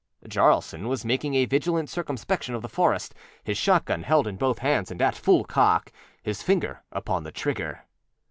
â Jaralson was making a vigilant circumspection of the forest, his shotgun held in both hands and at full cock, his finger upon the trigger.